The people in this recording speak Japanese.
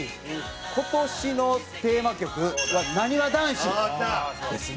今年のテーマ曲なにわ男子ですね。